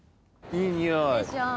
いいにおい！